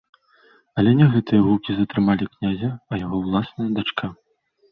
Але не гэтыя гукі затрымалі князя, а яго ўласная дачка.